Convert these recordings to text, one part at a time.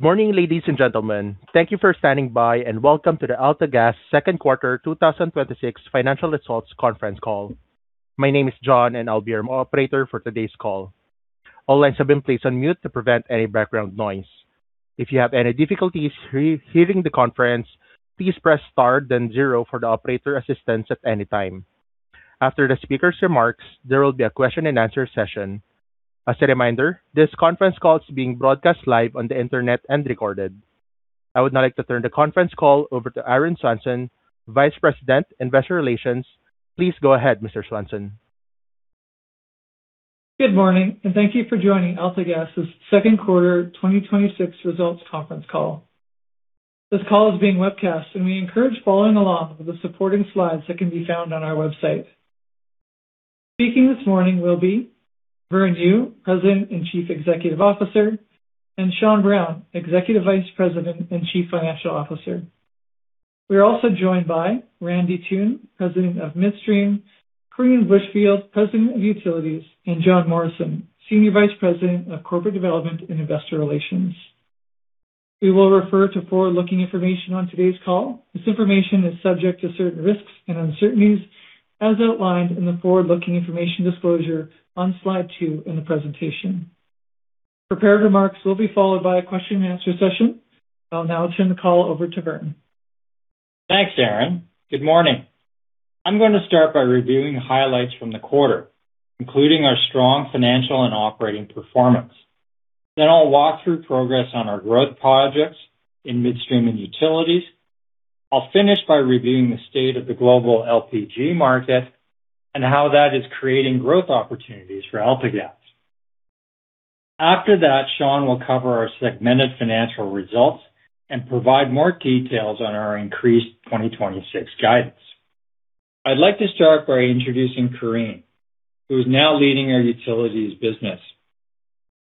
Morning, ladies and gentlemen. Thank you for standing by, welcome to the AltaGas Second Quarter 2026 Financial Results Conference Call. My name is John, I'll be your operator for today's call. All lines have been placed on mute to prevent any background noise. If you have any difficulties hearing the conference, please press star then zero for the operator assistance at any time. After the speaker's remarks, there will be a question and answer session. As a reminder, this conference call is being broadcast live on the internet recorded. I would now like to turn the conference call over to Aaron Swanson, Vice President, Investor Relations. Please go ahead, Mr. Swanson. Good morning, thank you for joining AltaGas's second quarter 2026 results conference call. This call is being webcast, we encourage following along with the supporting slides that can be found on our website. Speaking this morning will be Vern Yu, President and Chief Executive Officer, Sean Brown, Executive Vice President and Chief Financial Officer. We are also joined by Randy Toone, President of Midstream, Corine Bushfield, President of Utilities, Jon Morrison, Senior Vice President of Corporate Development and Investor Relations. We will refer to forward-looking information on today's call. This information is subject to certain risks and uncertainties as outlined in the forward-looking information disclosure on slide two in the presentation. Prepared remarks will be followed by a question and answer session. I'll now turn the call over to Vern. Thanks, Aaron. Good morning. I'm going to start by reviewing highlights from the quarter, including our strong financial and operating performance. I'll walk through progress on our growth projects in midstream and utilities. I'll finish by reviewing the state of the global LPG market and how that is creating growth opportunities for AltaGas. After that, Sean will cover our segmented financial results and provide more details on our increased 2026 guidance. I'd like to start by introducing Corine, who's now leading our utilities business.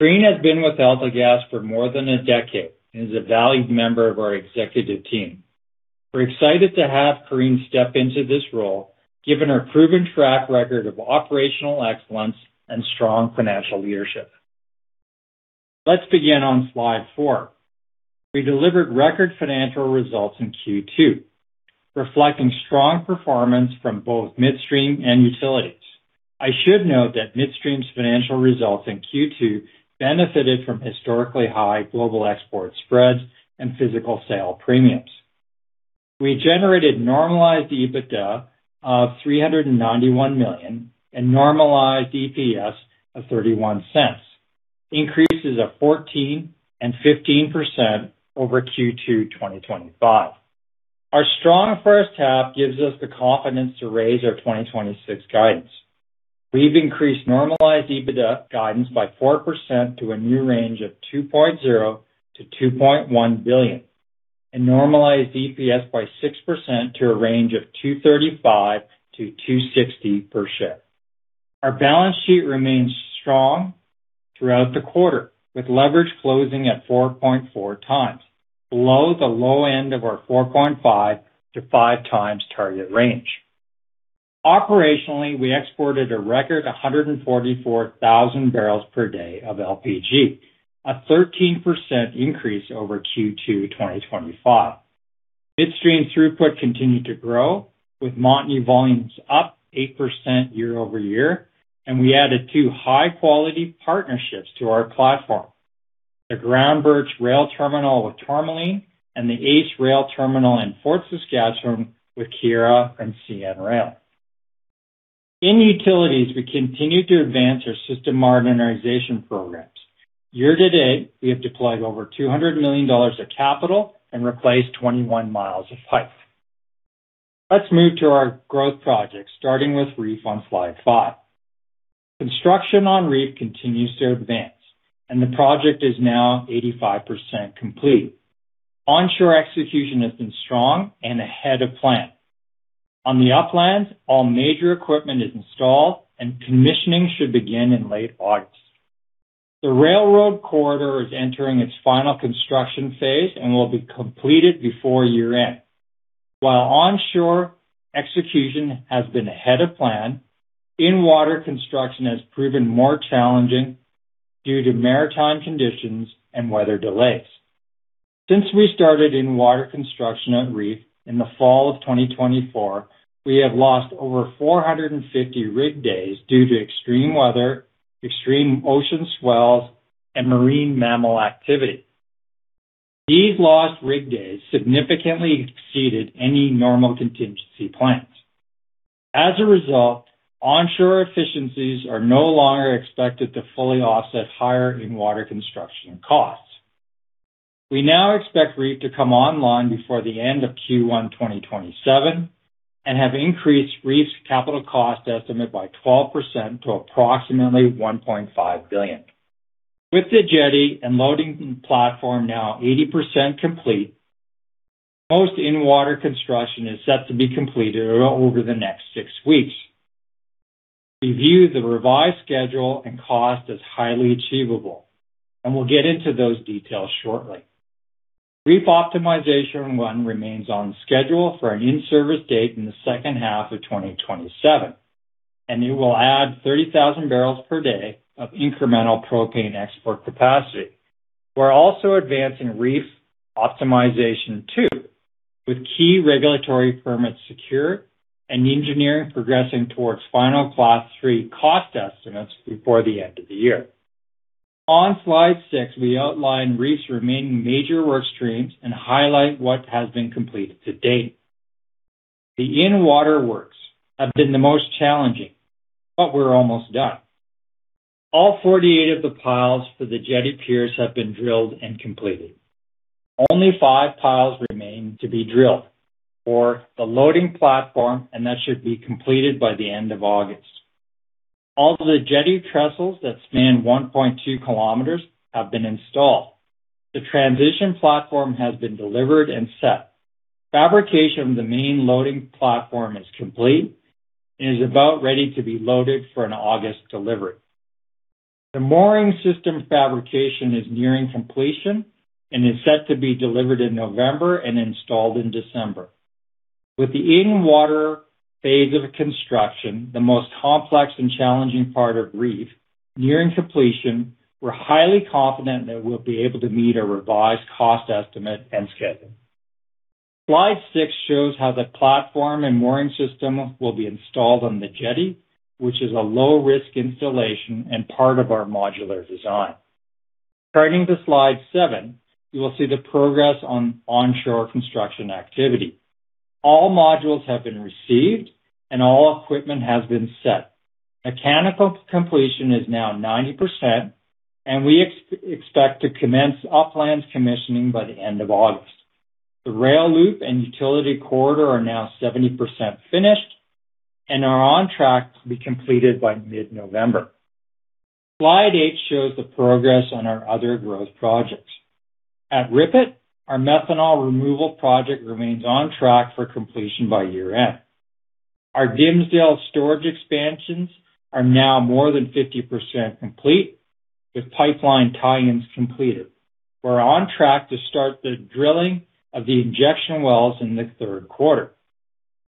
Corine has been with AltaGas for more than a decade is a valued member of our executive team. We're excited to have Corine step into this role, given her proven track record of operational excellence and strong financial leadership. Let's begin on slide four. We delivered record financial results in Q2, reflecting strong performance from both Midstream and Utilities. I should note that Midstream's financial results in Q2 benefited from historically high global export spreads and physical sale premiums. We generated normalized EBITDA of 391 million normalized EPS of 0.31, increases of 14% and 15% over Q2 2025. Our strong first half gives us the confidence to raise our 2026 guidance. We've increased normalized EBITDA guidance by 4% to a new range of 2.0 billion-2.1 billion, normalized EPS by 6% to a range of 2.35-2.60 per share. Our balance sheet remains strong throughout the quarter, with leverage closing at 4.4x, below the low end of our 4.5x to 5x target range. Operationally, we exported a record 144,000 bpd of LPG, a 13% increase over Q2 2025. Midstream throughput continued to grow, with Montney volumes up 8% year-over-year, and we added two high-quality partnerships to our platform, the Groundbirch Rail Terminal with Tourmaline and the ACE Rail Terminal in Fort Saskatchewan with Keyera and CN Rail. In utilities, we continued to advance our system modernization programs. Year-to-date, we have deployed over 200 million dollars of capital and replaced 21 mi of pipe. Let's move to our growth projects, starting with REEF on slide five. Construction on REEF continues to advance, and the project is now 85% complete. Onshore execution has been strong and ahead of plan. On the uplands, all major equipment is installed and commissioning should begin in late August. The railroad corridor is entering its final construction phase and will be completed before year-end. While onshore execution has been ahead of plan, in-water construction has proven more challenging due to maritime conditions and weather delays. Since we started in-water construction at REEF in the fall of 2024, we have lost over 450 rig days due to extreme weather, extreme ocean swells, and marine mammal activity. These lost rig days significantly exceeded any normal contingency plans. As a result, onshore efficiencies are no longer expected to fully offset higher in-water construction costs. We now expect REEF to come online before the end of Q1 2027 and have increased REEF's capital cost estimate by 12% to approximately 1.5 billion. With the jetty and loading platform now 80% complete, most in-water construction is set to be completed over the next six weeks. We view the revised schedule and cost as highly achievable, and we'll get into those details shortly. REEF Optimization I remains on schedule for an in-service date in the second half of 2027. It will add 30,000 bpdof incremental propane export capacity. We're also advancing REEF Optimization II, with key regulatory permits secure and engineering progressing towards final Class 3 cost estimates before the end of the year. On slide six, we outline REEF's remaining major work streams and highlight what has been completed to date. The in-water works have been the most challenging, but we're almost done. All 48 of the piles for the jetty piers have been drilled and completed. Only five piles remain to be drilled for the loading platform, and that should be completed by the end of August. All the jetty trestles that span 1.2 km have been installed. The transition platform has been delivered and set. Fabrication of the main loading platform is complete and is about ready to be loaded for an August delivery. The mooring system fabrication is nearing completion and is set to be delivered in November and installed in December. With the in-water phase of construction, the most complex and challenging part of REEF, nearing completion, we're highly confident that we'll be able to meet our revised cost estimate and schedule. Slide six shows how the platform and mooring system will be installed on the jetty, which is a low-risk installation and part of our modular design. Turning to slide seven, you will see the progress on onshore construction activity. All modules have been received, and all equipment has been set. Mechanical completion is now 90%, and we expect to commence uplands commissioning by the end of August. The rail loop and utility corridor are now 70% finished and are on track to be completed by mid-November. Slide eight shows the progress on our other growth projects. At RIPET, our methanol removal project remains on track for completion by year-end. Our Dimsdale storage expansions are now more than 50% complete, with pipeline tie-ins completed. We are on track to start the drilling of the injection wells in the third quarter.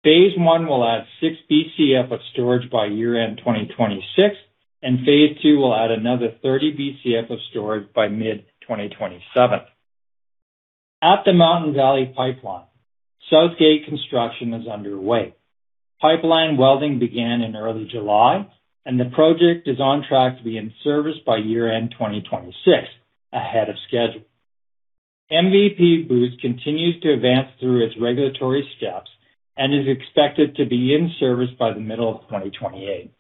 Phase I will add 6 Bcf of storage by year-end 2026, and phase II will add another 30 Bcf of storage by mid-2027. At the Mountain Valley Pipeline, Southgate construction is underway. Pipeline welding began in early July, and the project is on track to be in service by year-end 2026, ahead of schedule. MVP Boost continues to advance through its regulatory steps and is expected to be in service by the middle of 2028.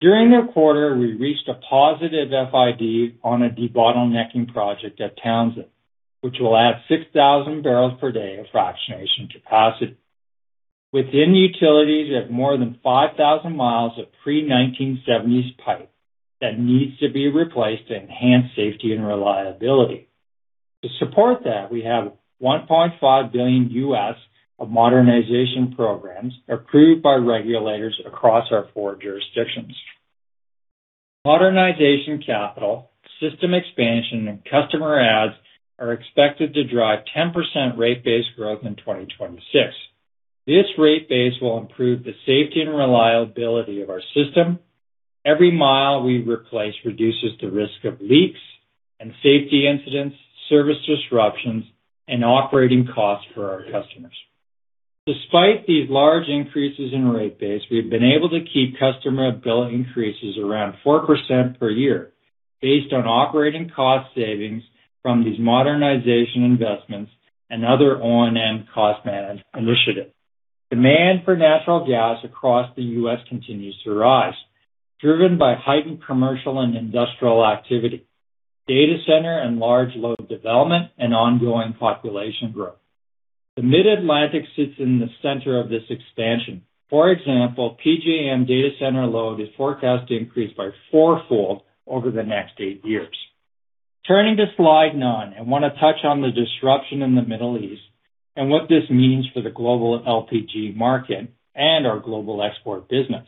During the quarter, we reached a positive FID on a debottlenecking project at Townsend, which will add 6,000 bpd of fractionation capacity. Within utilities, we have more than 5,000 mi of pre-1970s pipe that needs to be replaced to enhance safety and reliability. To support that, we have $1.5 billion of modernization programs approved by regulators across our four jurisdictions. Modernization capital, system expansion, and customer adds are expected to drive 10% rate base growth in 2026. This rate base will improve the safety and reliability of our system. Every mile we replace reduces the risk of leaks and safety incidents, service disruptions, and operating costs for our customers. Despite these large increases in rate base, we have been able to keep customer bill increases around 4% per year based on operating cost savings from these modernization investments and other O&M cost management initiatives. Demand for natural gas across the U.S. continues to rise, driven by heightened commercial and industrial activity, data center and large load development, and ongoing population growth. The Mid-Atlantic sits in the center of this expansion. For example, PJM data center load is forecast to increase by four-fold over the next eight years. Turning to slide nine, I want to touch on the disruption in the Middle East and what this means for the global LPG market and our global export business.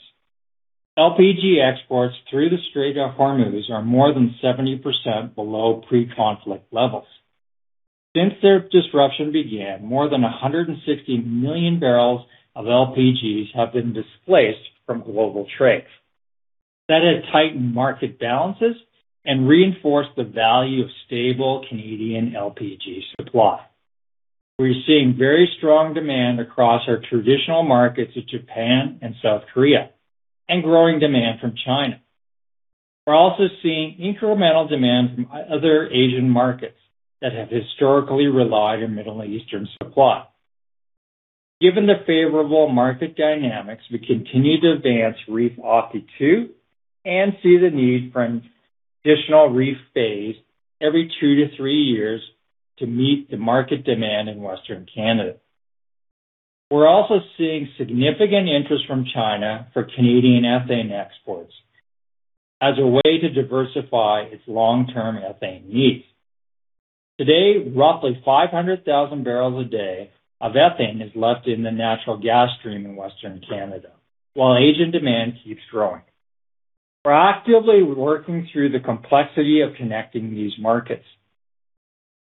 LPG exports through the Strait of Hormuz are more than 70% below pre-conflict levels. Since their disruption began, more than 160 million barrels of LPGs have been displaced from global trades. That has tightened market balances and reinforced the value of stable Canadian LPG supply. We are seeing very strong demand across our traditional markets of Japan and South Korea and growing demand from China. We are also seeing incremental demand from other Asian markets that have historically relied on Middle Eastern supply. Given the favorable market dynamics, we continue to advance REEF Offtake Two and see the need for an additional REEF phase every two to three years to meet the market demand in Western Canada. We are also seeing significant interest from China for Canadian ethane exports as a way to diversify its long-term ethane needs. Today, roughly 500,000 bpd of ethane is left in the natural gas stream in Western Canada while Asian demand keeps growing. We are actively working through the complexity of connecting these markets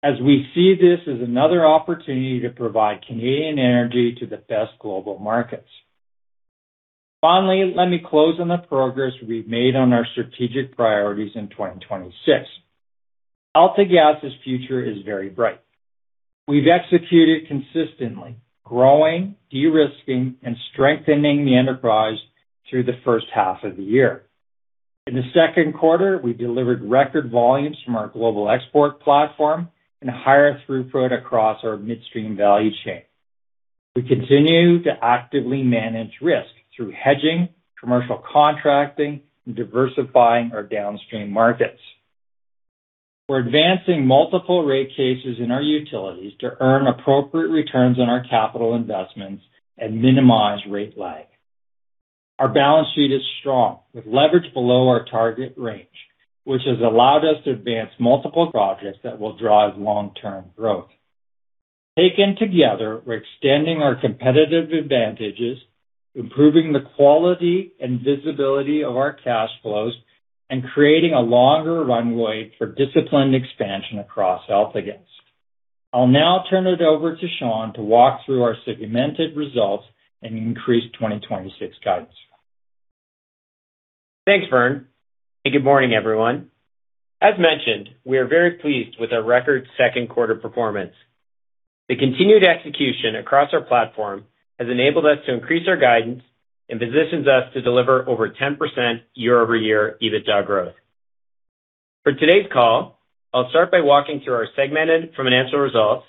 as we see this as another opportunity to provide Canadian energy to the best global markets. Finally, let me close on the progress we have made on our strategic priorities in 2026. AltaGas's future is very bright. We've executed consistently, growing, de-risking, and strengthening the enterprise through the first half of the year. In the second quarter, we delivered record volumes from our global export platform and higher throughput across our midstream value chain. We continue to actively manage risk through hedging, commercial contracting, and diversifying our downstream markets. We're advancing multiple rate cases in our utilities to earn appropriate returns on our capital investments and minimize rate lag. Our balance sheet is strong, with leverage below our target range, which has allowed us to advance multiple projects that will drive long-term growth. Taken together, we're extending our competitive advantages, improving the quality and visibility of our cash flows, and creating a longer runway for disciplined expansion across AltaGas. I'll now turn it over to Sean to walk through our segmented results and increased 2026 guidance. Thanks, Vern, good morning, everyone. As mentioned, we are very pleased with our record second quarter performance. The continued execution across our platform has enabled us to increase our guidance and positions us to deliver over 10% year-over-year EBITDA growth. For today's call, I'll start by walking through our segmented financial results,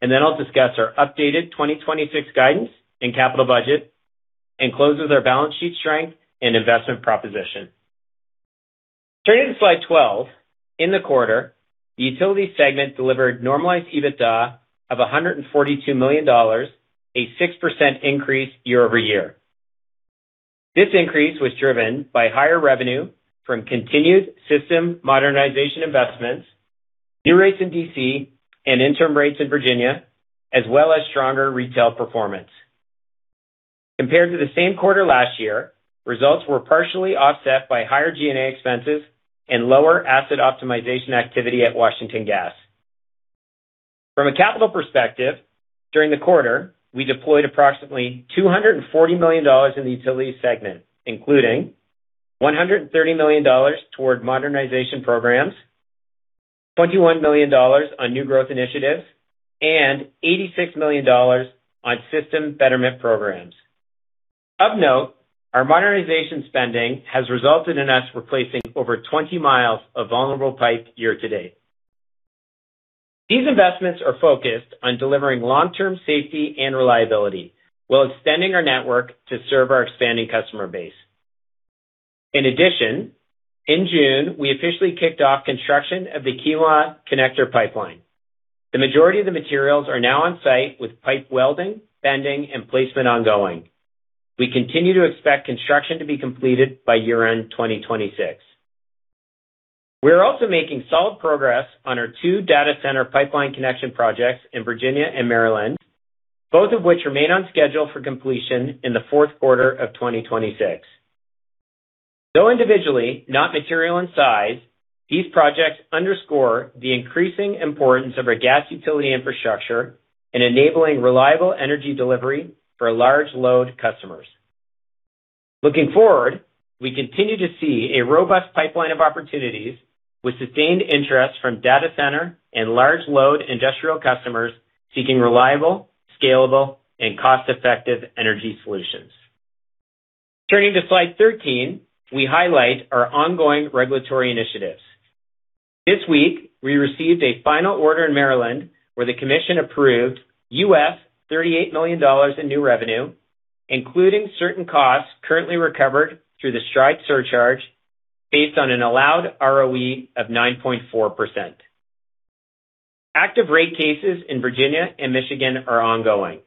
I'll discuss our updated 2026 guidance and capital budget and close with our balance sheet strength and investment proposition. Turning to slide 12, in the quarter, the utility segment delivered normalized EBITDA of 142 million dollars, a 6% increase year-over-year. This increase was driven by higher revenue from continued system modernization investments, new rates in DC, and interim rates in Virginia, as well as stronger retail performance. Compared to the same quarter last year, results were partially offset by higher G&A expenses and lower asset optimization activity at Washington Gas. From a capital perspective, during the quarter, we deployed approximately 240 million dollars in the Utilities segment, including 130 million dollars toward modernization programs, 21 million dollars on new growth initiatives, and 86 million dollars on system betterment programs. Of note, our modernization spending has resulted in us replacing over 20 mi of vulnerable pipe year-to-date. These investments are focused on delivering long-term safety and reliability while extending our network to serve our expanding customer base. In addition, in June, we officially kicked off construction of the Keweenaw Connector pipeline. The majority of the materials are now on-site, with pipe welding, bending, and placement ongoing. We continue to expect construction to be completed by year-end 2026. We are also making solid progress on our two data center pipeline connection projects in Virginia and Maryland, both of which remain on schedule for completion in the fourth quarter of 2026. Though individually not material in size, these projects underscore the increasing importance of our gas utility infrastructure in enabling reliable energy delivery for large load customers. Looking forward, we continue to see a robust pipeline of opportunities with sustained interest from data center and large load industrial customers seeking reliable, scalable, and cost-effective energy solutions. Turning to slide 13, we highlight our ongoing regulatory initiatives. This week, we received a final order in Maryland, where the commission approved $38 million in new revenue, including certain costs currently recovered through the STRIDE surcharge based on an allowed ROE of 9.4%. Active rate cases in Virginia and Michigan are ongoing.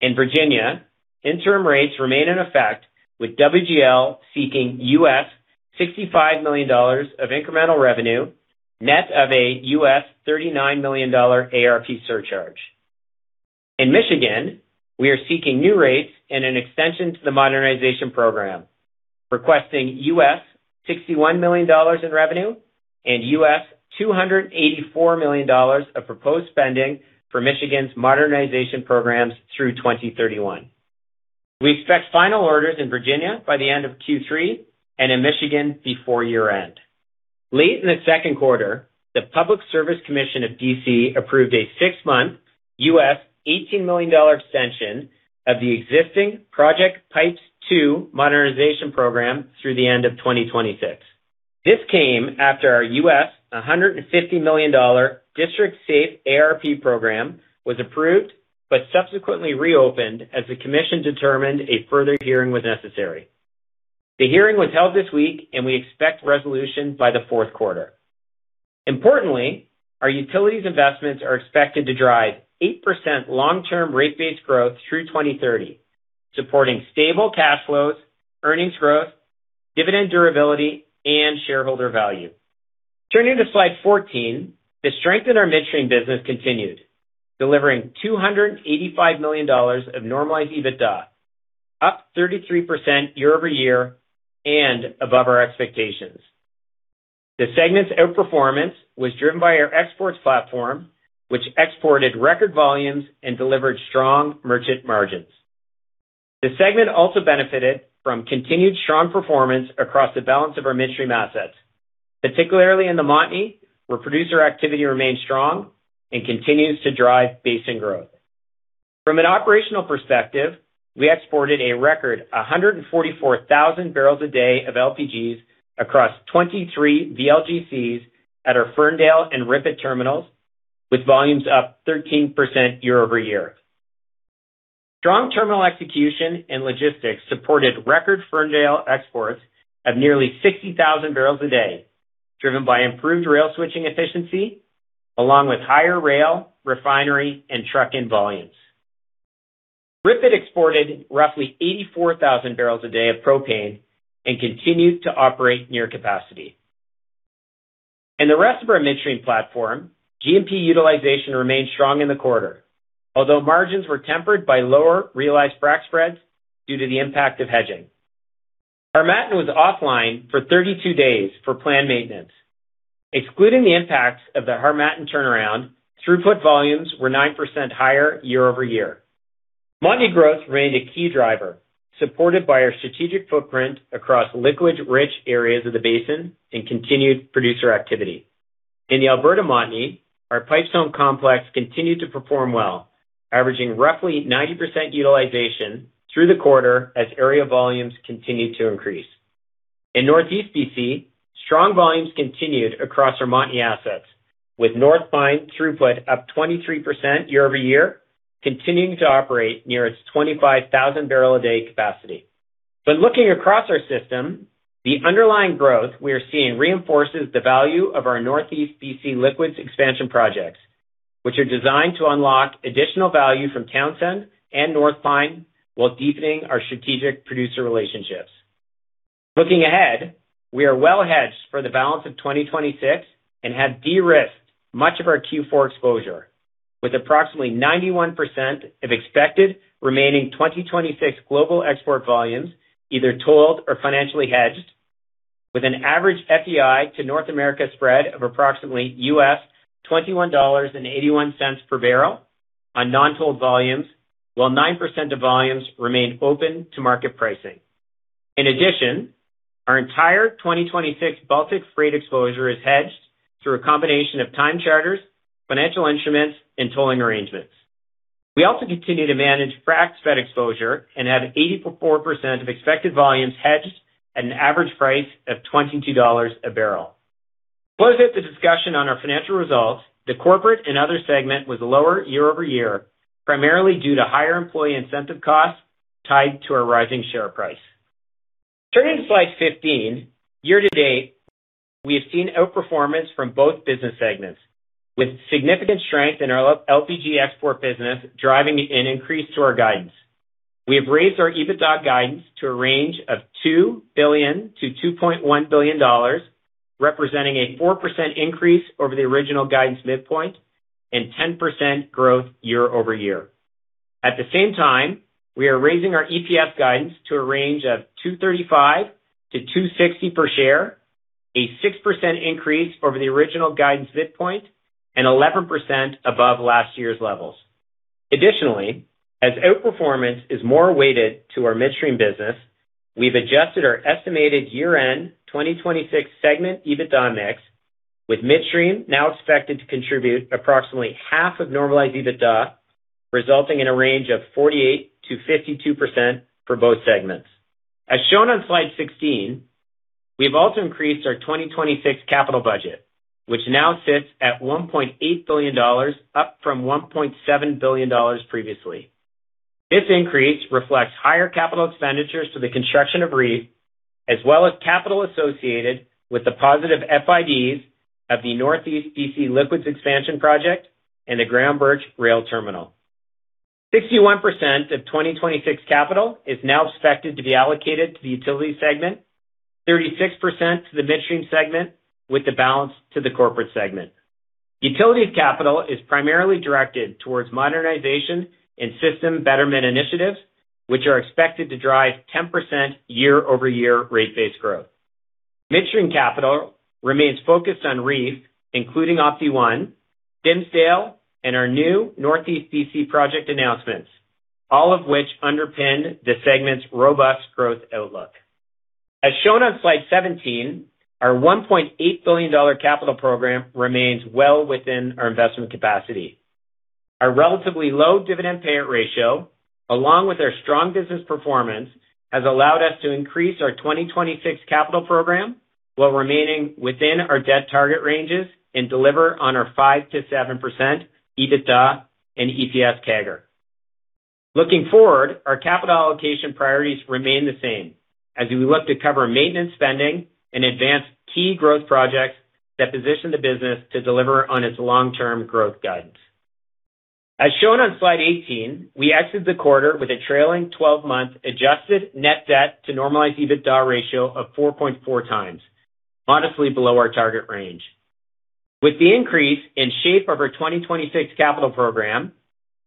In Virginia, interim rates remain in effect, with WGL seeking $65 million of incremental revenue, net of a $39 million ARP surcharge. In Michigan, we are seeking new rates and an extension to the modernization program, requesting $61 million in revenue and $284 million of proposed spending for Michigan's modernization programs through 2031. We expect final orders in Virginia by the end of Q3 and in Michigan before year-end. Late in the second quarter, the Public Service Commission of the DC approved a six-month $18 million extension of the existing PROJECTpipes phase II modernization program through the end of 2026. This came after our $150 million District SAFE ARP program was approved but subsequently reopened as the commission determined a further hearing was necessary. The hearing was held this week, and we expect resolution by the fourth quarter. Importantly, our utilities investments are expected to drive 8% long-term rate base growth through 2030, supporting stable cash flows, earnings growth, dividend durability, and shareholder value. Turning to slide 14, the strength in our midstream business continued, delivering 285 million dollars of normalized EBITDA. Up 33% year-over-year and above our expectations. The segment's outperformance was driven by our exports platform, which exported record volumes and delivered strong merchant margins. The segment also benefited from continued strong performance across the balance of our midstream assets, particularly in the Montney, where producer activity remains strong and continues to drive basin growth. From an operational perspective, we exported a record 144,000 bpd of LPGs across 23 VLGCs at our Ferndale and RIPET terminals, with volumes up 13% year-over-year. Strong terminal execution and logistics supported record Ferndale exports of nearly 60,000 bpd, driven by improved rail switching efficiency along with higher rail, refinery, and truck-in volumes. RIPET exported roughly 84,000 bpd of propane and continued to operate near capacity. In the rest of our midstream platform, Harmattan utilization remained strong in the quarter, although margins were tempered by lower realized frac spreads due to the impact of hedging. Our Harmattan was offline for 32 days for planned maintenance. Excluding the impacts of the Harmattan turnaround, throughput volumes were 9% higher year-over-year. Montney growth remained a key driver, supported by our strategic footprint across liquids-rich areas of the basin and continued producer activity. In the Alberta Montney, our Pipestone II complex continued to perform well, averaging roughly 90% utilization through the quarter as area volumes continued to increase. In NEBC, strong volumes continued across our Montney assets, with North Pine throughput up 23% year-over-year, continuing to operate near its 25,000 bpd capacity. Looking across our system, the underlying growth we are seeing reinforces the value of our NEBC liquids expansion projects, which are designed to unlock additional value from Townsend and North Pine while deepening our strategic producer relationships. Looking ahead, we are well-hedged for the balance of 2026 and have de-risked much of our Q4 exposure with approximately 91% of expected remaining 2026 global export volumes either tolled or financially hedged, with an average FEI to North America spread of approximately $21.81 per barrel on non-tolled volumes, while 9% of volumes remain open to market pricing. In addition, our entire 2026 Baltic Freight exposure is hedged through a combination of time charters, financial instruments, and tolling arrangements. We also continue to manage frac spread exposure and have 84% of expected volumes hedged at an average price of 22 dollars a barrel. To close out the discussion on our financial results, the corporate and other segment was lower year-over-year, primarily due to higher employee incentive costs tied to our rising share price. Turning to slide 15, year to date, we have seen outperformance from both business segments, with significant strength in our LPG export business driving an increase to our guidance. We have raised our EBITDA guidance to a range of 2 billion-2.1 billion dollars, representing a 4% increase over the original guidance midpoint and 10% growth year-over-year. At the same time, we are raising our EPS guidance to a range of 2.35-2.60 per share, a 6% increase over the original guidance midpoint and 11% above last year's levels. As outperformance is more weighted to our midstream business, we've adjusted our estimated year-end 2026 segment EBITDA mix, with midstream now expected to contribute approximately half of normalized EBITDA, resulting in a range of 48%-52% for both segments. As shown on slide 16, we've also increased our 2026 capital budget, which now sits at 1.8 billion dollars, up from 1.7 billion dollars previously. This increase reflects higher capital expenditures to the construction of REEF as well as capital associated with the positive FIDs of the Northeast BC liquids expansion project and the Groundbirch Rail Terminal. 61% of 2026 capital is now expected to be allocated to the Utility segment, 36% to the Midstream segment, with the balance to the corporate segment. Utility capital is primarily directed towards modernization and system betterment initiatives, which are expected to drive 10% year-over-year rate base growth. Midstream capital remains focused on REEF, including REEF Opti I, Dimsdale, and our new Northeast BC project announcements, all of which underpin the segment's robust growth outlook. As shown on slide 17, our 1.8 billion dollar capital program remains well within our investment capacity. Our relatively low dividend payout ratio, along with our strong business performance, has allowed us to increase our 2026 capital program while remaining within our debt target ranges and deliver on our 5%-7% EBITDA and EPS CAGR. Looking forward, our capital allocation priorities remain the same as we look to cover maintenance spending and advance key growth projects that position the business to deliver on its long-term growth guidance. As shown on slide 18, we exited the quarter with a trailing 12-month adjusted net debt to normalized EBITDA ratio of 4.4x, modestly below our target range. With the increase in shape of our 2026 capital program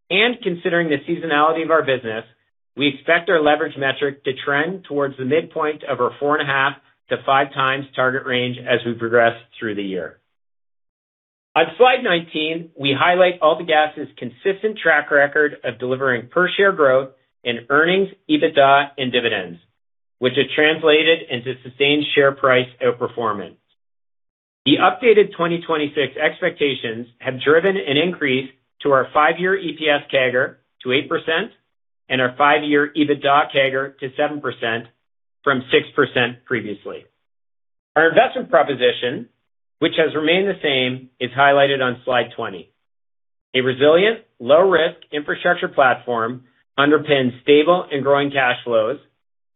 and considering the seasonality of our business, we expect our leverage metric to trend towards the midpoint of our 4.5x to 5x target range as we progress through the year. On slide 19, we highlight AltaGas's consistent track record of delivering per share growth in earnings, EBITDA, and dividends, which has translated into sustained share price outperformance. The updated 2026 expectations have driven an increase to our five-year EPS CAGR to 8% and our five-year EBITDA CAGR to 7%, from 6% previously. Our investment proposition, which has remained the same, is highlighted on slide 20. A resilient low-risk infrastructure platform underpins stable and growing cash flows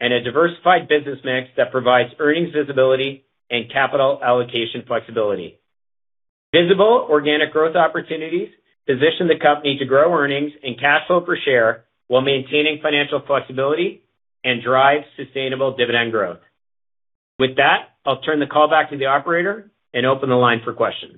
and a diversified business mix that provides earnings visibility and capital allocation flexibility. Visible organic growth opportunities position the company to grow earnings and cash flow per share while maintaining financial flexibility and drive sustainable dividend growth. With that, I'll turn the call back to the operator and open the line for questions.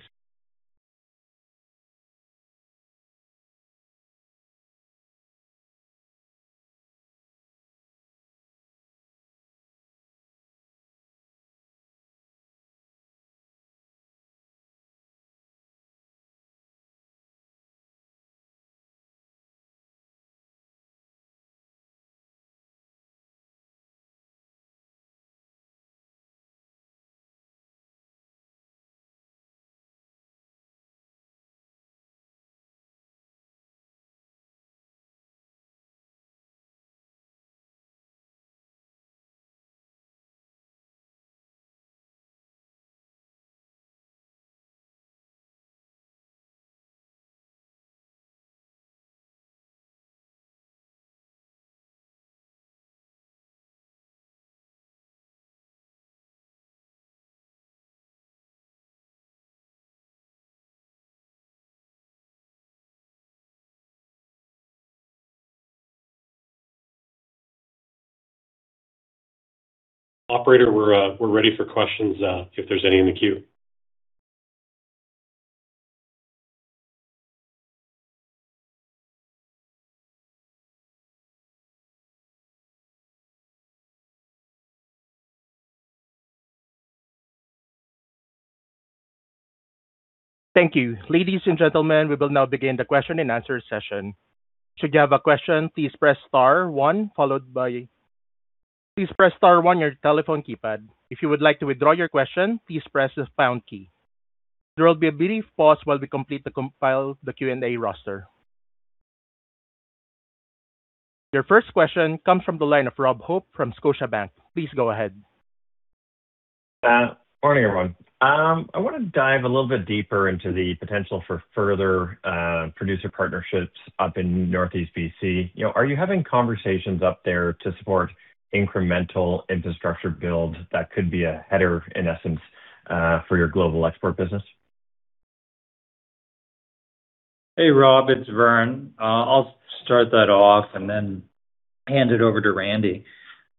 Operator, we're ready for questions, if there's any in the queue. Thank you. Ladies and gentlemen, we will now begin the question and answer session. Should you have a question, please press star one on your telephone keypad. If you would like to withdraw your question, please press the pound key. There will be a brief pause while we compile the Q&A roster. Your first question comes from the line of Rob Hope from Scotiabank. Please go ahead. Morning, everyone. I want to dive a little bit deeper into the potential for further producer partnerships up in Northeast BC. Are you having conversations up there to support incremental infrastructure build that could be a header, in essence, for your global export business? Hey, Rob, it's Vern. I'll start that off and then hand it over to Randy.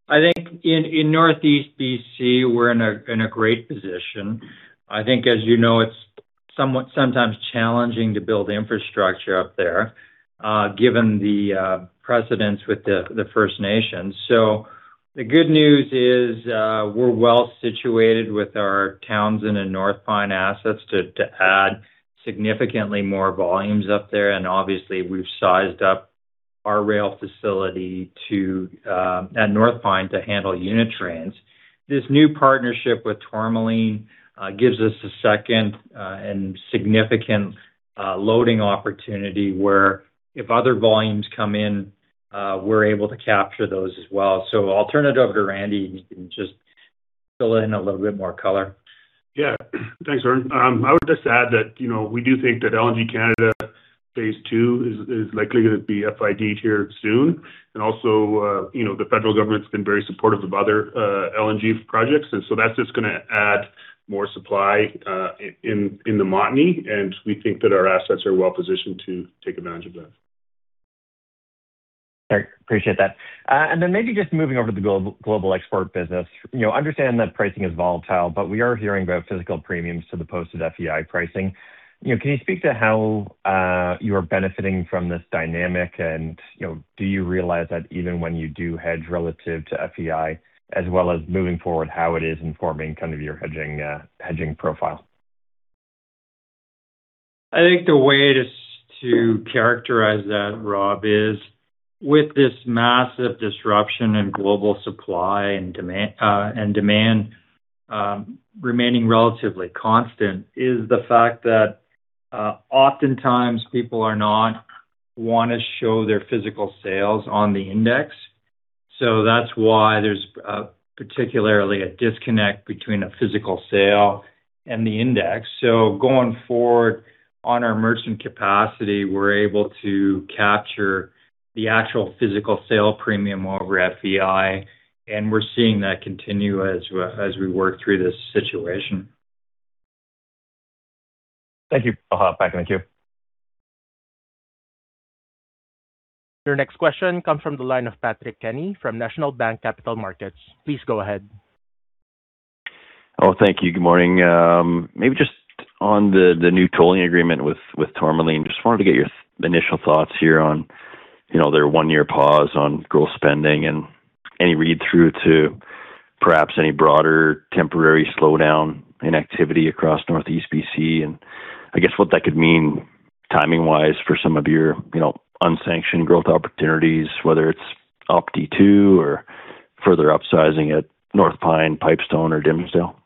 I think in Northeast BC, we're in a great position. I think, as you know, it's sometimes challenging to build infrastructure up there, given the precedents with the First Nations. The good news is we're well-situated with our Townsend and North Pine assets to add significantly more volumes up there. Obviously, we've sized up our rail facility at North Pine to handle unit trains. This new partnership with Tourmaline gives us a second and significant loading opportunity where if other volumes come in, we're able to capture those as well. I'll turn it over to Randy. He can just fill in a little bit more color. Yeah, thanks, Vern. I would just add that we do think that LNG Canada phase II is likely going to be FID-ed here soon. The federal government's been very supportive of other LNG projects, that's just going to add more supply in the Montney, and we think that our assets are well-positioned to take advantage of that. Great. Appreciate that. Then maybe just moving over to the global export business. I understand that pricing is volatile, but we are hearing about physical premiums to the posted FEI pricing. Can you speak to how you are benefiting from this dynamic? Do you realize that even when you do hedge relative to FEI, as well as moving forward, how it is informing your hedging profile? I think the way to characterize that, Rob, is with this massive disruption in global supply and demand remaining relatively constant, is the fact that oftentimes people are not want to show their physical sales on the index. That's why there's particularly a disconnect between a physical sale and the index. Going forward on our merchant capacity, we're able to capture the actual physical sale premium over FEI, and we're seeing that continue as we work through this situation. Thank you. I'll hop back in the queue. Your next question comes from the line of Patrick Kenny from National Bank Capital Markets. Please go ahead. Oh, thank you. Good morning. Maybe just on the new tolling agreement with Tourmaline, just wanted to get your initial thoughts here on their one-year pause on growth spending and any read-through to perhaps any broader temporary slowdown in activity across Northeast BC, and I guess what that could mean timing-wise for some of your unsanctioned growth opportunities, whether it's Opti-II or further upsizing at North Pine, Pipestone, or Dimsdale.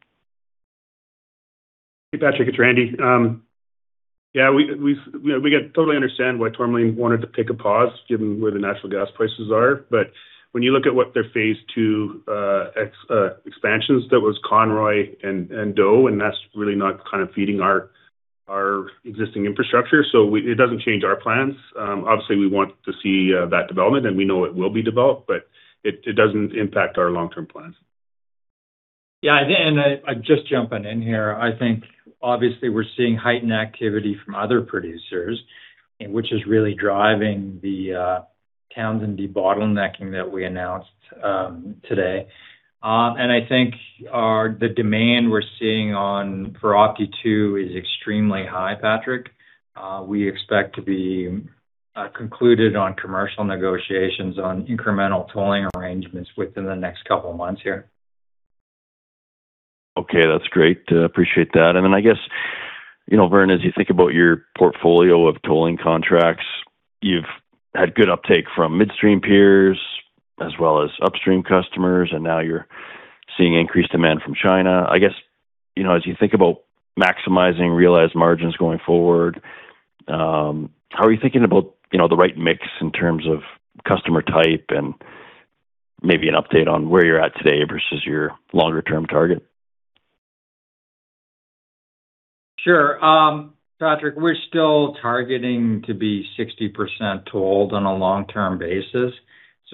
Hey, Patrick, it's Randy. Yeah, we totally understand why Tourmaline wanted to take a pause given where the natural gas prices are. When you look at what their phase II expansions, that was Conroy and Doe, and that's really not feeding our existing infrastructure, it doesn't change our plans. Obviously, we want to see that development, and we know it will be developed, it doesn't impact our long-term plans. Yeah, just jumping in here. I think obviously we're seeing heightened activity from other producers, which is really driving the Townsend debottlenecking that we announced today. I think the demand we're seeing for Opti-II is extremely high, Patrick. We expect to be concluded on commercial negotiations on incremental tolling arrangements within the next couple of months here. Okay. That's great. Appreciate that. I guess, Vern, as you think about your portfolio of tolling contracts, you've had good uptake from midstream peers as well as upstream customers, and now you're seeing increased demand from China. I guess, as you think about maximizing realized margins going forward, how are you thinking about the right mix in terms of customer type and maybe an update on where you're at today versus your longer-term target? Sure. Patrick, we're still targeting to be 60% tolled on a long-term basis.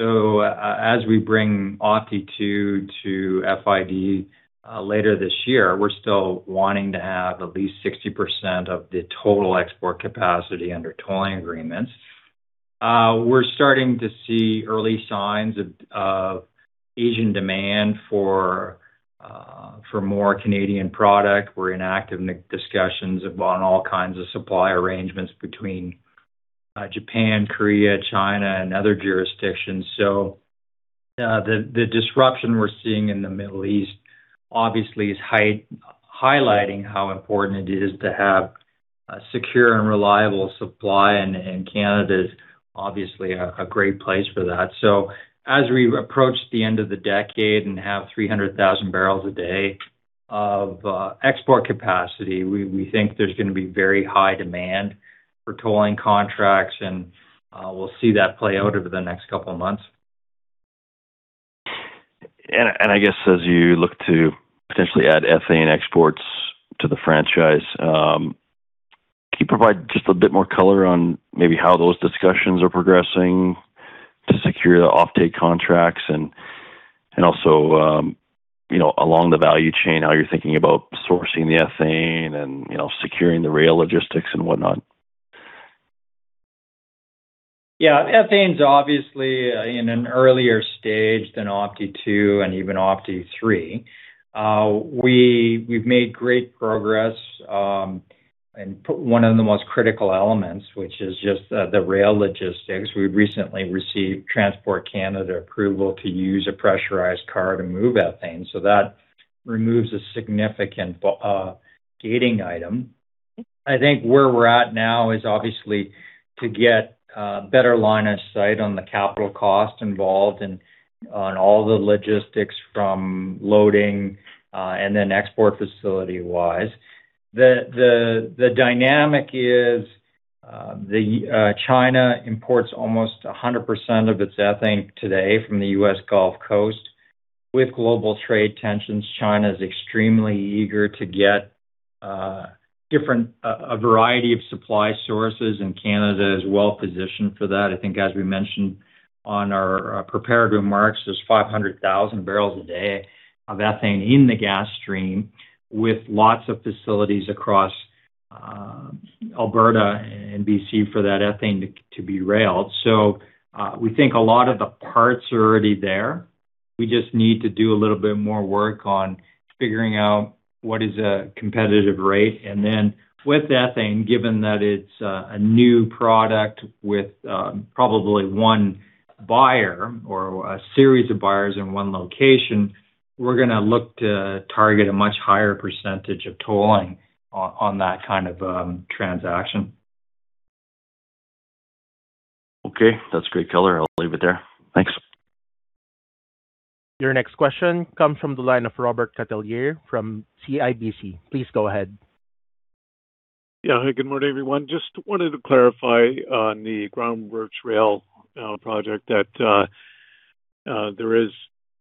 As we bring Opti-II to FID later this year, we're still wanting to have at least 60% of the total export capacity under tolling agreements. We're starting to see early signs of Asian demand for more Canadian product. We're in active discussions on all kinds of supply arrangements between Japan, Korea, China, and other jurisdictions. The disruption we're seeing in the Middle East obviously is highlighting how important it is to have a secure and reliable supply, and Canada's obviously a great place for that. As we approach the end of the decade and have 300,000 bpd of export capacity, we think there's going to be very high demand for tolling contracts, and we'll see that play out over the next couple of months. I guess as you look to potentially add ethane exports to the franchise, can you provide just a bit more color on maybe how those discussions are progressing to secure the off-take contracts and also along the value chain, how you're thinking about sourcing the ethane and securing the rail logistics and whatnot? Yeah. Ethane's obviously in an earlier stage than Opti-II and even Opti-III. We've made great progress, and one of the most critical elements, which is just the rail logistics, we recently received Transport Canada approval to use a pressurized car to move ethane. That removes a significant gating item. I think where we're at now is obviously to get a better line of sight on the capital cost involved and on all the logistics from loading, and then export facility-wise. The dynamic is China imports almost 100% of its ethane today from the U.S. Gulf Coast. With global trade tensions, China's extremely eager to get a variety of supply sources, and Canada is well-positioned for that. I think as we mentioned on our prepared remarks, there's 500,000 bpd of ethane in the gas stream, with lots of facilities across Alberta and BC for that ethane to be railed. We think a lot of the parts are already there. We just need to do a little bit more work on figuring out what is a competitive rate. With ethane, given that it's a new product with probably one buyer or a series of buyers in one location, we're going to look to target a much higher percentage of tolling on that kind of transaction. Okay. That's great color. I'll leave it there. Thanks. Your next question comes from the line of Robert Catellier from CIBC. Please go ahead. Yeah. Hey, good morning, everyone. Just wanted to clarify on the Groundbirch Rail Project that there is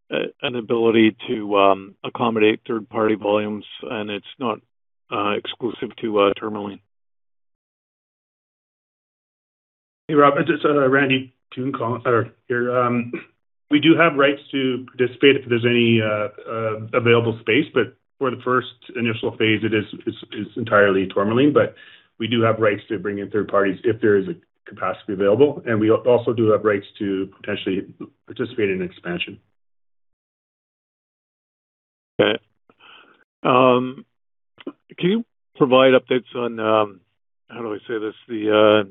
an ability to accommodate third-party volumes, and it is not exclusive to Tourmaline. Hey, Rob. It is Randy Toone here. We do have rights to participate if there is any available space, but for the first initial phase, it is entirely Tourmaline. We do have rights to bring in third parties if there is a capacity available, and we also do have rights to potentially participate in an expansion. Okay. Can you provide updates on, how do I say this, the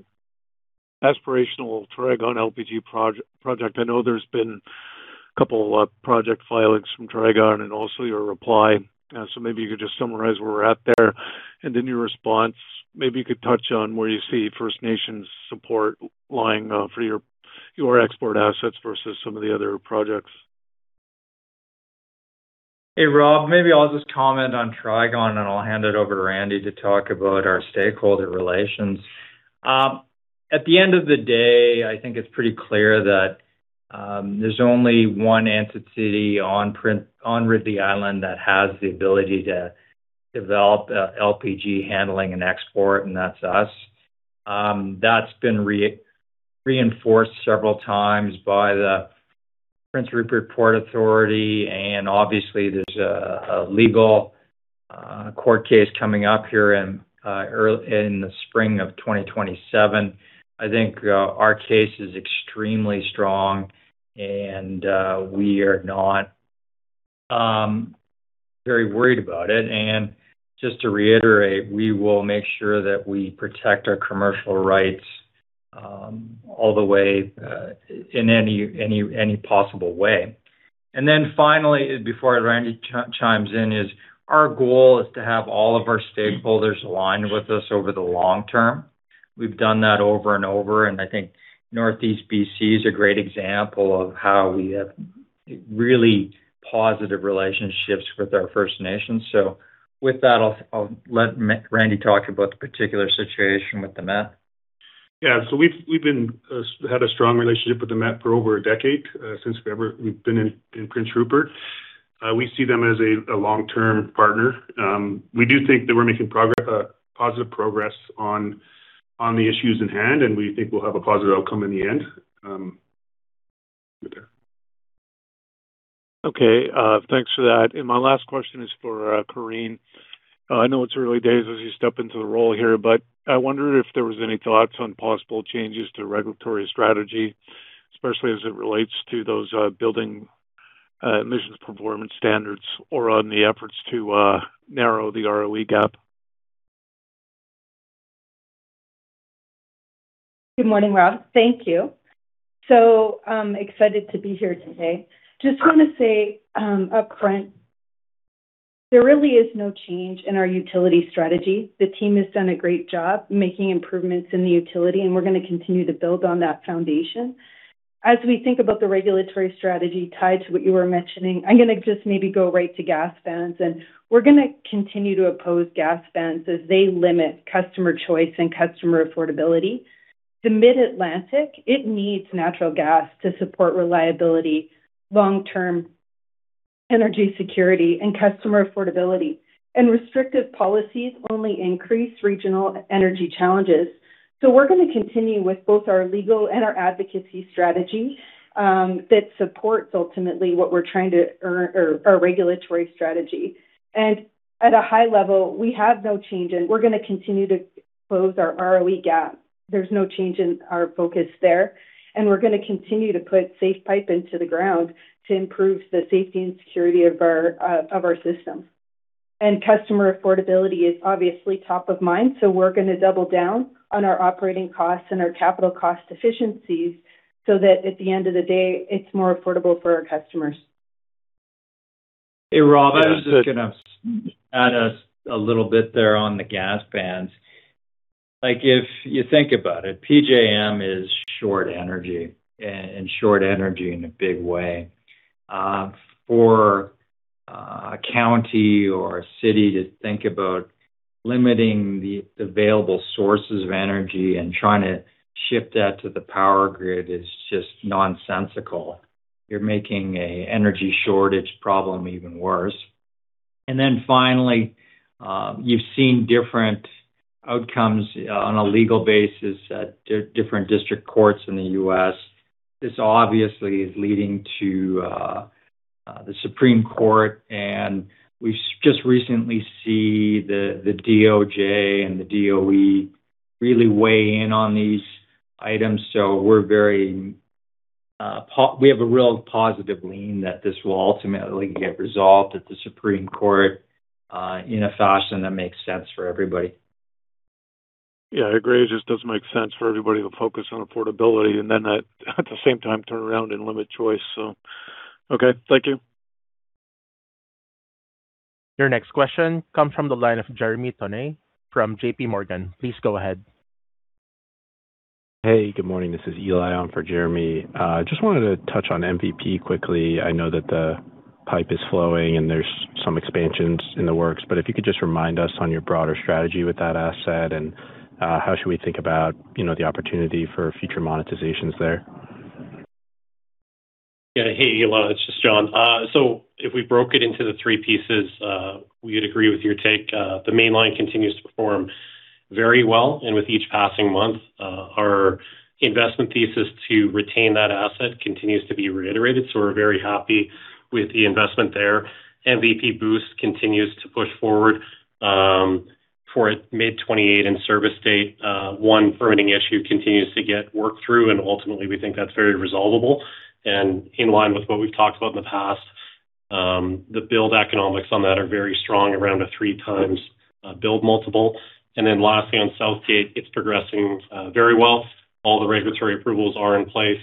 aspirational Trigon LPG Project? I know there has been a couple of project filings from Trigon and also your reply. Maybe you could just summarize where we are at there. In your response, maybe you could touch on where you see First Nations support lying for your export assets versus some of the other projects. Hey, Rob. Maybe I will just comment on Trigon, and I will hand it over to Randy to talk about our stakeholder relations. At the end of the day, I think it is pretty clear that there is only one entity on Ridley Island that has the ability to develop LPG handling and export, and that is us. That has been reinforced several times by the Prince Rupert Port Authority, obviously there is a legal court case coming up here in the spring of 2027. I think our case is extremely strong, and we are not very worried about it. Just to reiterate, we will make sure that we protect our commercial rights in any possible way. Then finally, before Randy chimes in, our goal is to have all of our stakeholders aligned with us over the long term. We've done that over and over, and I think Northeast BC is a great example of how we have really positive relationships with our First Nations. With that, I'll let Randy talk about the particular situation with the Metlakatla. Yeah. We've had a strong relationship with the Metlakatla for over a decade, since we've been in Prince Rupert. We see them as a long-term partner. We do think that we're making positive progress on the issues at hand, and we think we'll have a positive outcome in the end. Okay. Thanks for that. My last question is for Corine. I know it's early days as you step into the role here, but I wondered if there was any thoughts on possible changes to regulatory strategy, especially as it relates to those building emissions performance standards or on the efforts to narrow the ROE gap. Good morning, Rob. Thank you. Excited to be here today. Just want to say upfront, there really is no change in our Utility strategy. The team has done a great job making improvements in the Utility, and we're going to continue to build on that foundation. As we think about the regulatory strategy tied to what you were mentioning, I'm going to just maybe go right to gas bans, and we're going to continue to oppose gas bans as they limit customer choice and customer affordability. The Mid-Atlantic, it needs natural gas to support reliability, long-term energy security, and customer affordability. Restrictive policies only increase regional energy challenges. We're going to continue with both our legal and our advocacy strategy that supports ultimately our regulatory strategy. At a high level, we have no change, and we're going to continue to close our ROE gap. There's no change in our focus there. We're going to continue to put safe pipe into the ground to improve the safety and security of our system. Customer affordability is obviously top of mind, so we're going to double down on our operating costs and our capital cost efficiencies so that at the end of the day, it's more affordable for our customers. Hey, Rob, I was just going to add a little bit there on the gas bans. If you think about it, PJM is short energy and short energy in a big way. For a county or a city to think about limiting the available sources of energy and trying to ship that to the power grid is just nonsensical. You're making an energy shortage problem even worse. Finally, you've seen different outcomes on a legal basis at different district courts in the U.S. This obviously is leading to the Supreme Court, and we just recently see the DOJ and the DOE really weigh in on these items. We have a real positive lean that this will ultimately get resolved at the Supreme Court, in a fashion that makes sense for everybody. Yeah, I agree. It just doesn't make sense for everybody to focus on affordability and then at the same time turn around and limit choice. Okay. Thank you. Your next question comes from the line of Jeremy Tonet from JPMorgan. Please go ahead. Hey, good morning. This is Eli on for Jeremy. Just wanted to touch on MVP quickly. I know that the pipe is flowing and there's some expansions in the works, but if you could just remind us on your broader strategy with that asset and how should we think about the opportunity for future monetizations there? Yeah. Hey, Eli, it's just Jon. If we broke it into the three pieces, we would agree with your take. The main line continues to perform Very well. With each passing month, our investment thesis to retain that asset continues to be reiterated. We're very happy with the investment there. MVP Boost continues to push forward for a mid 2028 in service date. One permitting issue continues to get worked through and ultimately we think that's very resolvable. In line with what we've talked about in the past, the build economics on that are very strong, around a 3x build multiple. Lastly, on Southgate, it's progressing very well. All the regulatory approvals are in place.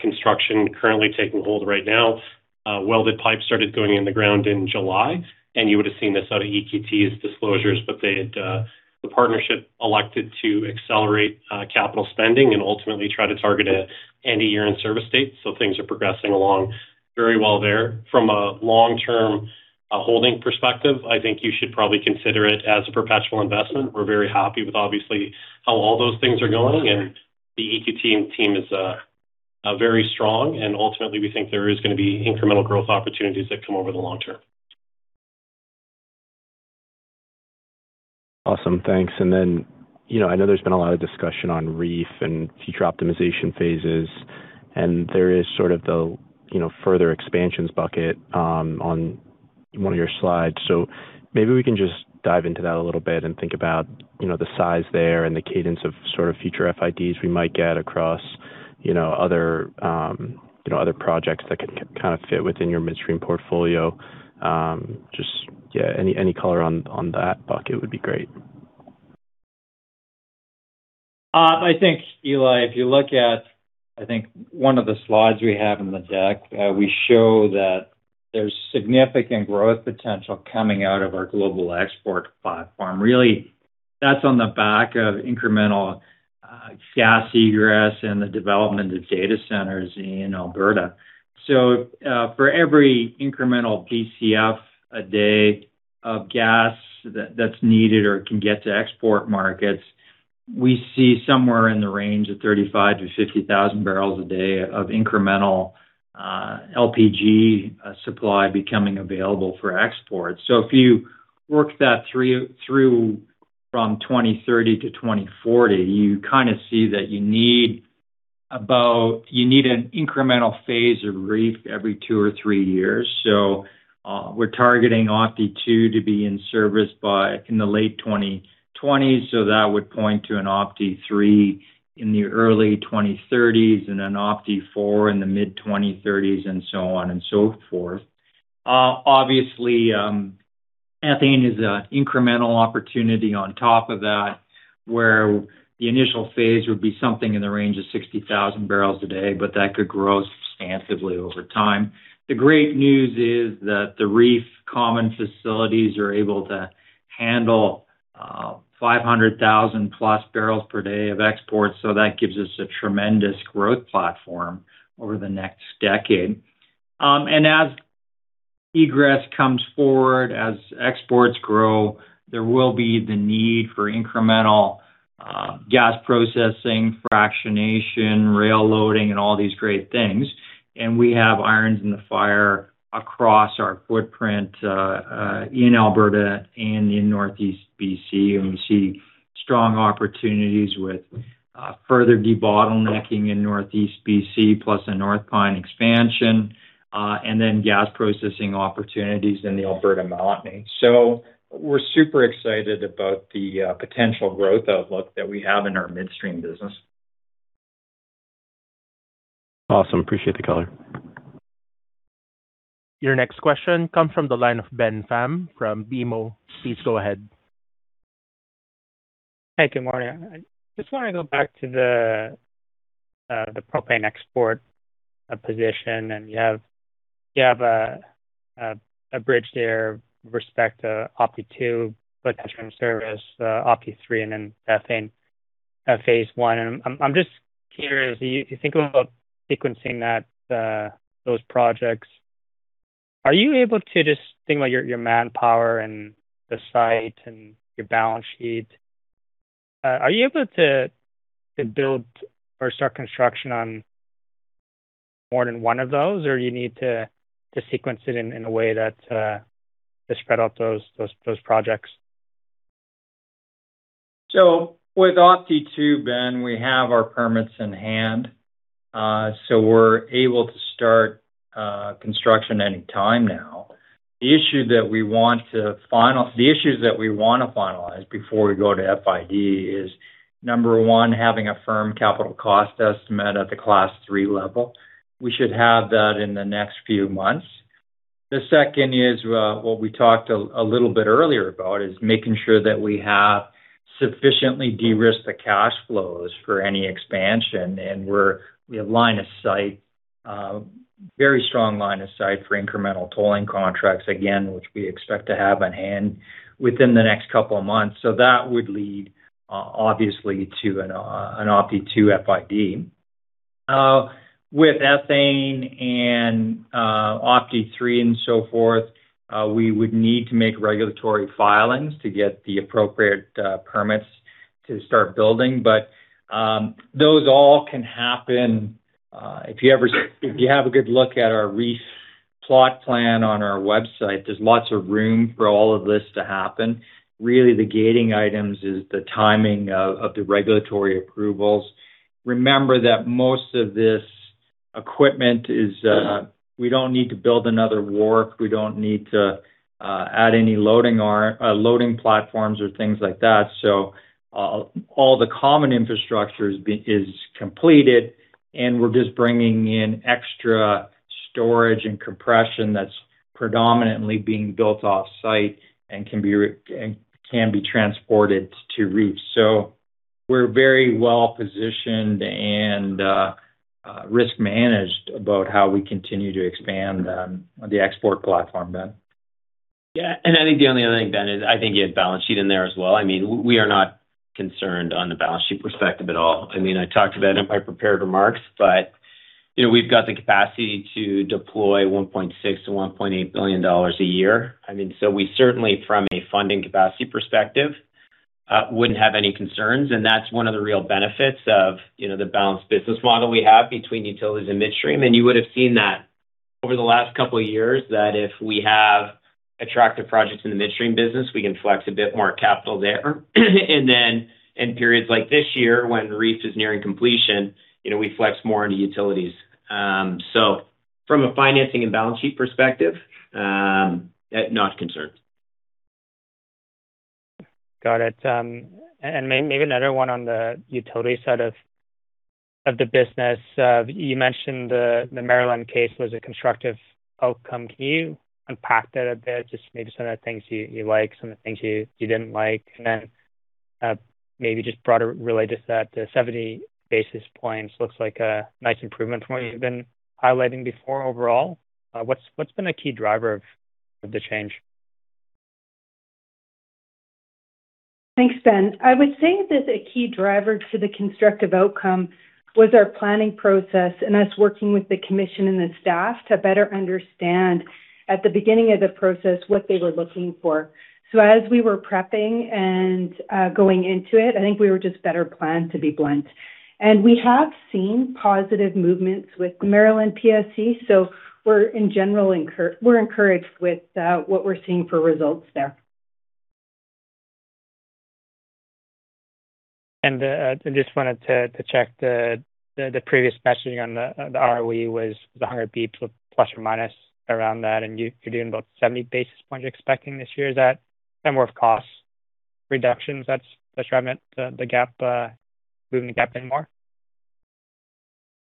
Construction currently taking hold right now. Welded pipe started going in the ground in July, you would have seen this out of EQT's disclosures, but the partnership elected to accelerate capital spending and ultimately try to target an end of year in service date. Things are progressing along very well there. From a long-term holding perspective, I think you should probably consider it as a perpetual investment. We're very happy with, obviously, how all those things are going, the EQT team is very strong and ultimately we think there is going to be incremental growth opportunities that come over the long term. Awesome, thanks. I know there's been a lot of discussion on REEF and future optimization phases, and there is sort of the further expansions bucket on one of your slides. Maybe we can just dive into that a little bit and think about the size there and the cadence of future FIDs we might get across other projects that can kind of fit within your midstream portfolio. Just any color on that bucket would be great. I think, Eli, if you look at one of the slides we have in the deck, we show that there's significant growth potential coming out of our global export platform. That's on the back of incremental gas egress and the development of data centers in Alberta. For every incremental Bcf per day of gas that's needed or can get to export markets, we see somewhere in the range of 35,000 bpd-50,000 bpd of incremental LPG supply becoming available for export. If you work that through from 2030-2040, you kind of see that you need an incremental phase of REEF every two or three years. We're targeting Opti II to be in service in the late 2020s. That would point to an Opti III in the early 2030s and an Opti IV in the mid-2030s and so on and so forth. Ethane is an incremental opportunity on top of that, where the initial phase would be something in the range of 60,000 bpd, but that could grow substantially over time. The great news is that the REEF common facilities are able to handle 500,000+ bpd of exports, that gives us a tremendous growth platform over the next decade. As egress comes forward, as exports grow, there will be the need for incremental gas processing, fractionation, rail loading, and all these great things. We have irons in the fire across our footprint in Alberta and in Northeast BC. We see strong opportunities with further debottlenecking in Northeast BC plus a North Pine expansion, and then gas processing opportunities in the Alberta Montney. We're super excited about the potential growth outlook that we have in our midstream business. Awesome. Appreciate the color. Your next question comes from the line of Ben Pham from BMO. Please go ahead. Hey, good morning. I just want to go back to the propane export position. You have a bridge there with respect to Opti II potential in service, Opti III, and then ethane phase I. I'm just curious, you think about sequencing those projects. Are you able to just think about your manpower and the site and your balance sheet? Are you able to build or start construction on more than one of those? Or you need to sequence it in a way to spread out those projects? With Opti II, Ben, we have our permits in hand, we're able to start construction any time now. The issues that we want to finalize before we go to FID is, number one, having a firm capital cost estimate at the Class 3 level. We should have that in the next few months. The second is what we talked a little bit earlier about, is making sure that we have sufficiently de-risked the cash flows for any expansion. We have line of sight, very strong line of sight for incremental tolling contracts, again, which we expect to have on hand within the next couple of months. That would lead, obviously, to an Opti II FID. With Ethane and Opti III and so forth, we would need to make regulatory filings to get the appropriate permits to start building. Those all can happen. If you have a good look at our REEF Plot plan on our website, there's lots of room for all of this to happen. Really, the gating items is the timing of the regulatory approvals. Remember that most of this equipment is, we don't need to build another wharf. We don't need to add any loading platforms or things like that. All the common infrastructure is completed, and we're just bringing in extra storage and compression that's predominantly being built off-site and can be transported to REEF. We're very well-positioned and risk-managed about how we continue to expand on the export platform, Ben. Yeah. I think the only other thing, Ben, is I think you had balance sheet in there as well. We are not concerned on the balance sheet perspective at all. I talked about it in my prepared remarks, we've got the capacity to deploy 1.6 billion-1.8 billion dollars a year. We certainly, from a funding capacity perspective, wouldn't have any concerns, and that's one of the real benefits of the balanced business model we have between utilities and midstream. You would've seen that over the last couple of years that if we have attractive projects in the midstream business, we can flex a bit more capital there. Then in periods like this year, when REEF is nearing completion, we flex more into utilities. From a financing and balance sheet perspective, not concerned. Got it. Maybe another one on the utility side of the business. You mentioned the Maryland case was a constructive outcome. Can you unpack that a bit? Just maybe some of the things you liked, some of the things you didn't like. Then maybe just broader related to that, the 70 basis points looks like a nice improvement from what you've been highlighting before overall. What's been a key driver of the change? Thanks, Ben. I would say that a key driver to the constructive outcome was our planning process and us working with the commission and the staff to better understand at the beginning of the process what they were looking for. As we were prepping and going into it, I think we were just better planned, to be blunt. We have seen positive movements with Maryland PSC, so we're encouraged with what we're seeing for results there. I just wanted to check the previous messaging on the ROE was 100 basis points with plus or minus around that, you are doing about 70 basis points you are expecting this year. Is that somewhere of cost reductions that is driving the gap, moving the gap in more?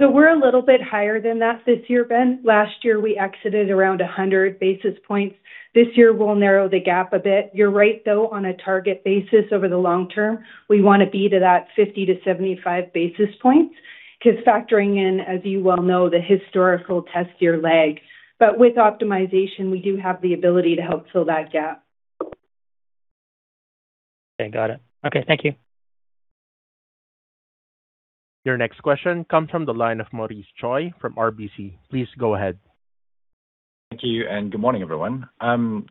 We are a little bit higher than that this year, Ben. Last year, we exited around 100 basis points. This year, we will narrow the gap a bit. You are right, though, on a target basis over the long term, we want to be to that 50 basis points-75 basis points because factoring in, as you well know, the historical test year lag. With optimization, we do have the ability to help fill that gap. Okay, got it. Okay, thank you. Your next question comes from the line of Maurice Choy from RBC. Please go ahead. Thank you, good morning, everyone.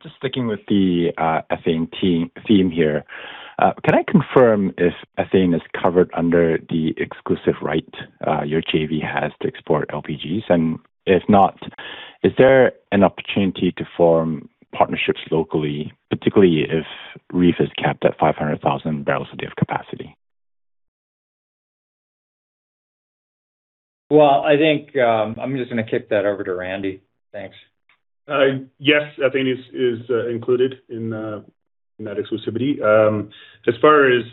Just sticking with the ethane theme here. Can I confirm if ethane is covered under the exclusive right your JV has to export LPGs? If not, is there an opportunity to form partnerships locally, particularly if REEF is capped at 500,000 bpd of capacity? Well, I think I'm just going to kick that over to Randy. Thanks. Yes. Ethane is included in that exclusivity. As far as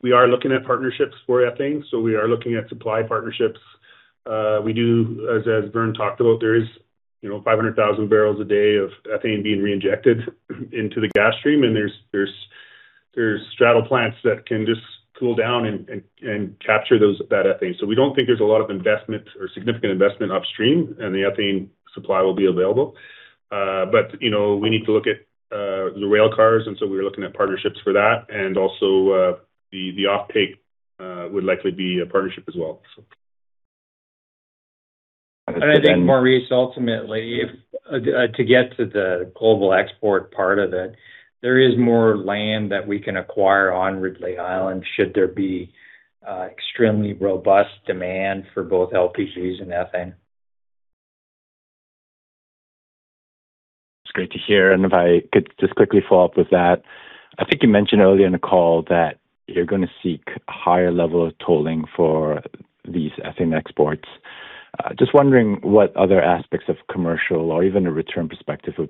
we are looking at partnerships for ethane, we are looking at supply partnerships. We do, as Vern talked about, there is 500,000 bpd of ethane being reinjected into the gas stream, and there's straddle plants that can just cool down and capture that ethane. We don't think there's a lot of investment or significant investment upstream, and the ethane supply will be available. We need to look at the rail cars, we're looking at partnerships for that, and also, the offtake would likely be a partnership as well. I think, Maurice, ultimately, to get to the global export part of it, there is more land that we can acquire on Ridley Island should there be extremely robust demand for both LPGs and ethane. It's great to hear. If I could just quickly follow up with that. I think you mentioned earlier in the call that you're going to seek a higher level of tolling for these ethane exports. Just wondering what other aspects of commercial or even a return perspective of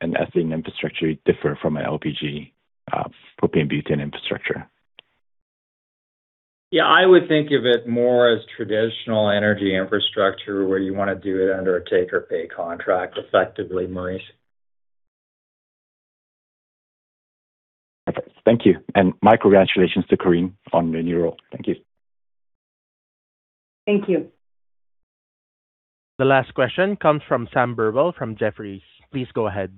an ethane infrastructure differ from a LPG, propane butane infrastructure. I would think of it more as traditional energy infrastructure where you want to do it under a take or pay contract effectively, Maurice. Thank you. My congratulations to Corine on the new role. Thank you. Thank you. The last question comes from Sam Burwell from Jefferies. Please go ahead.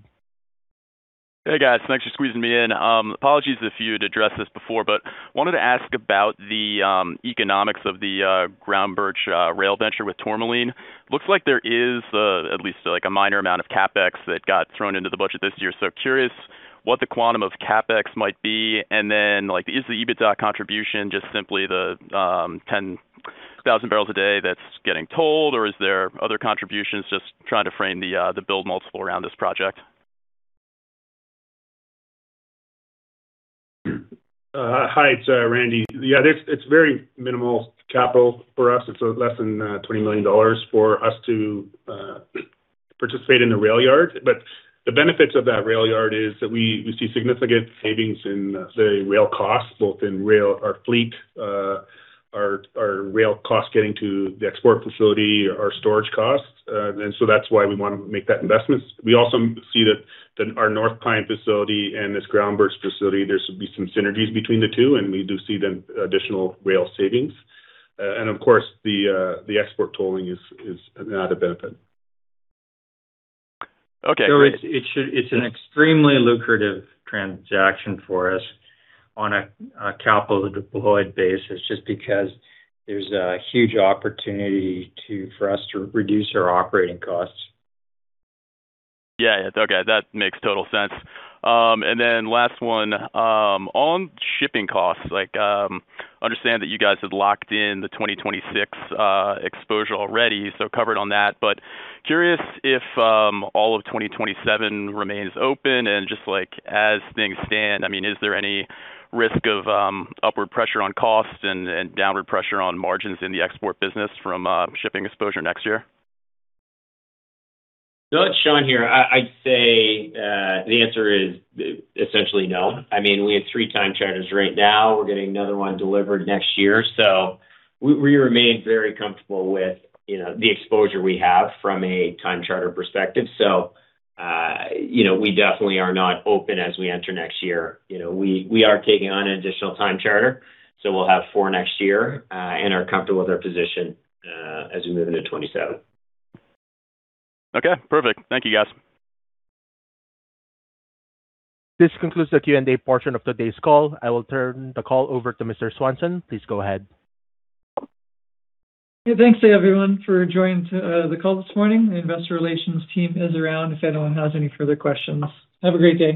Hey, guys. Thanks for squeezing me in. Apologies if you had addressed this before, but wanted to ask about the economics of the Groundbirch rail venture with Tourmaline. Looks like there is at least a minor amount of CapEx that got thrown into the budget this year curious what the quantum of CapEx might be, and then is the EBITDA contribution just simply the 10,000 bpd that's getting tolled, or is there other contributions? Just trying to frame the build multiple around this project. Hi, it's Randy. Yeah, it's very minimal capital for us. It's less than 20 million dollars for us to participate in the rail yard. The benefits of that rail yard is that we see significant savings in the rail costs, both in our fleet, our rail costs getting to the export facility, our storage costs. That's why we want to make that investment. We also see that our North Pine facility and this Groundbirch facility, there's going to be some synergies between the two, we do see the additional rail savings. Of course, the export tolling is another benefit. Okay, great. It's an extremely lucrative transaction for us on a capital deployed basis, just because there's a huge opportunity for us to reduce our operating costs. Yeah. Okay. That makes total sense. Last one. On shipping costs, I understand that you guys have locked in the 2026 exposure already, so covered on that, but curious if all of 2027 remains open and just as things stand, is there any risk of upward pressure on cost and downward pressure on margins in the export business from shipping exposure next year? No, it's Sean here. I'd say the answer is essentially no. We have three time charters right now. We're getting another one delivered next year. We remain very comfortable with the exposure we have from a time charter perspective. We definitely are not open as we enter next year. We are taking on an additional time charter, so we'll have four next year and are comfortable with our position as we move into 2027. Okay, perfect. Thank you, guys. This concludes the Q&A portion of today's call. I will turn the call over to Mr. Swanson. Please go ahead. Thanks everyone for joining the call this morning. The investor relations team is around if anyone has any further questions. Have a great day.